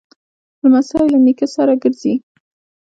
لمسی له نیکه سره ګرځي.